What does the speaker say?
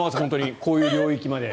こういう領域まで。